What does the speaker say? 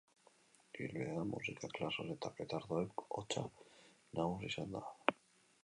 Ibilbidean, musika, klaxon eta petardoen hotsa nagusi izan da.